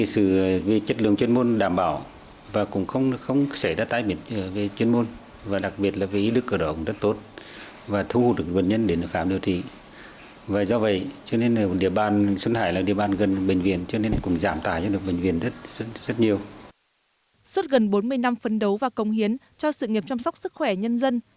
xuất gần bốn mươi năm phấn đấu và công hiến cho sự nghiệp chăm sóc sức khỏe nhân dân